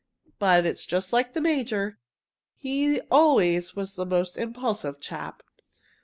But it's just like the major. He always was the most impulsive chap.